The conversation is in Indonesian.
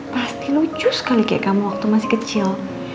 pasti lucu sekali kayak kamu waktu masih kecil